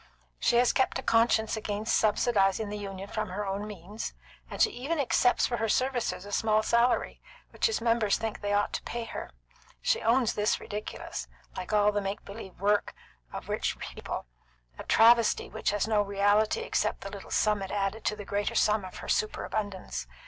She has kept a conscience against subsidising the Union from her own means; and she even accepts for her services a small salary, which its members think they ought to pay her. She owns this ridiculous, like all the make believe work of rich people; a travesty which has no reality except the little sum it added to the greater sum of her superabundance.